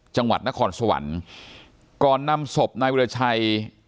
จังหวัดนครสวรรค์ก่อนนำศพนายวิราชัย